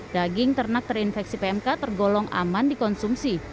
daging ternak terinfeksi pmk tergolong aman dikonsumsi